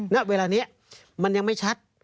เนี่ยเวลาเนี่ยมันยังไม่ชัด